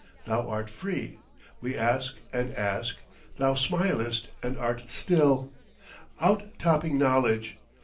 Thou art free. We ask and ask Thou smilest and art still, Out topping knowledge.